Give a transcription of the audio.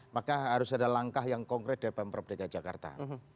maka harus ada langkah yang konkret dari pemprov dki jakarta